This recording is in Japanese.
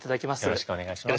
よろしくお願いします。